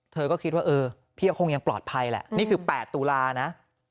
เธอก็คิดว่าเออพี่ก็คงยังปลอดภัยแหละนี่คือ๘ตุลานะ